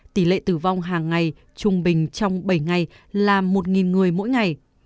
tỷ lệ tử vong hàng ngày trung bình trong bảy ngày là một người mỗi ngày